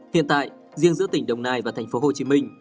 hiện tại riêng giữa tỉnh đồng nai và thành phố hồ chí minh